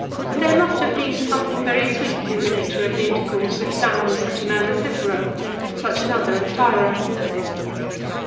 There must have been something very sweet in the nature of the intercourse which bound such a man as Cicero to such another as Tiro.